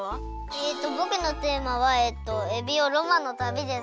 えっとぼくのテーマはエビオロマンのたびです。